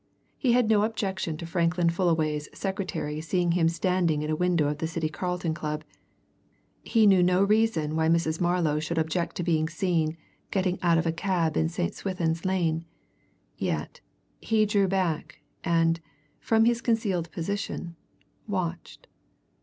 He had no objection to Franklin Fullaway's secretary seeing him standing in a window of the City Carlton Club; he knew no reason why Mrs. Marlow should object to be seen getting out of a cab in St. Swithin's Lane. Yet, he drew back, and, from his concealed position, watched.